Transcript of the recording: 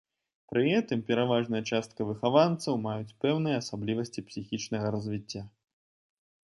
Пры гэтым, пераважная частка выхаванцаў маюць пэўныя асаблівасці псіхічнага развіцця.